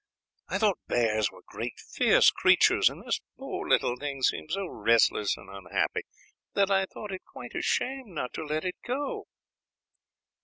I thought bears were great fierce creatures, and this poor little thing seemed so restless and unhappy that I thought it quite a shame not to let it go."